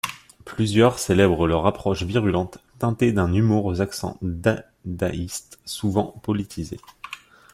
Plusieurs célèbrent leur approche virulente, teintée d'un humour aux accents dadaïstes, souvent politisée.